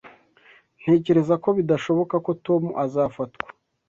Ntekereza ko bidashoboka ko Tom azafatwa